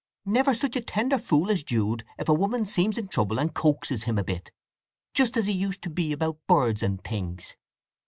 Never such a tender fool as Jude is if a woman seems in trouble, and coaxes him a bit! Just as he used to be about birds and things.